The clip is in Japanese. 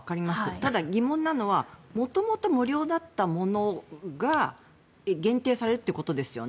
ただ、疑問なのは元々無料だったものが限定されるってことですよね。